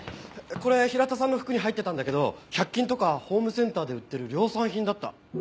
これ平田さんの服に入ってたんだけど百均とかホームセンターで売ってる量産品だった。